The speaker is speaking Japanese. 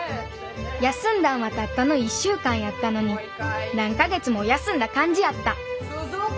休んだんはたったの１週間やったのに何か月も休んだ感じやった鈴子！